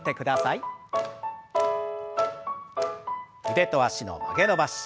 腕と脚の曲げ伸ばし。